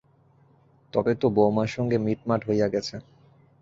তবে তো বউমার সঙ্গে মিটমাট হইয়া গেছে।